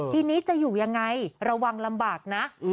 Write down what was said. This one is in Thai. ทีนี้จะอยู่ยังไงระวังลำบากนะ